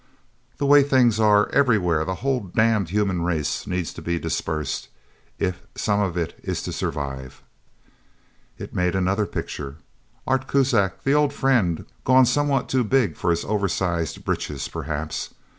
The way things are, everywhere, the whole damned human race needs to be dispersed if some of it is to survive!" It made another picture Art Kuzak, the old friend, gone somewhat too big for his oversized britches, perhaps...